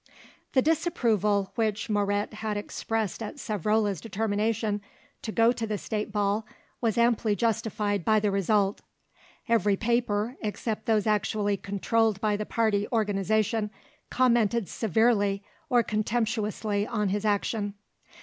The disapproval which Moret had expressed at Savrola's determination to go to the State Ball was amply justified by the result. Every paper, except those actually controlled by the party organisation, commented severely or contemptuously on his action.